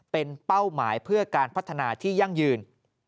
เป็นเป้าหมายเพื่อการพัฒนาที่ยั่งยืน